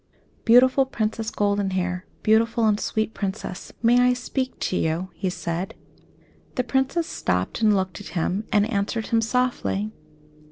"Beautiful Princess Goldenhair, beautiful and sweet Princess, may I speak to you?" he said. The Princess stopped and looked at him, and answered him softly.